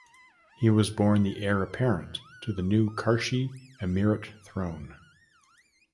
He was born the heir apparent to the New Karshi Emirate throne.